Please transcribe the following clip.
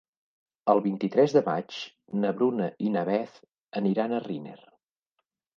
El vint-i-tres de maig na Bruna i na Beth aniran a Riner.